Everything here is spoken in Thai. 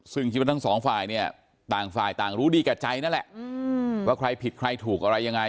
ซึ่งคิดว่าทั้งสองฝ่ายเนี่ยต่างฝ่ายต่างรู้ดีแก่ใจนั่นแหละว่าใครผิดใครถูกอะไรยังไง